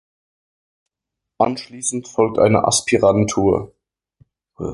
Anschließend folgt eine Aspirantur.